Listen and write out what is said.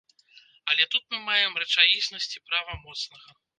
Але тут мы маем рэчаіснасць і права моцнага.